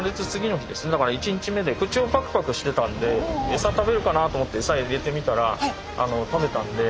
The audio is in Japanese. だから１日目で口をパクパクしてたんでえさ食べるかなと思ってえさ入れてみたら食べたんで。